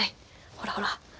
ほらほら。